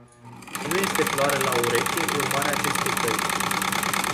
Nu este floare la ureche urmarea acestei căi.